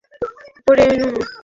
পানির, বিয়ার উপরে এনো না।